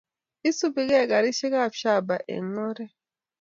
Isubikei garisiekab shaba eng oret